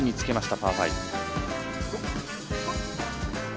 パー５。